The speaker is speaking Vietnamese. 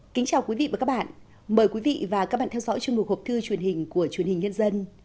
chào mừng quý vị đến với bộ phim học thư truyền hình của chuyên hình nhân dân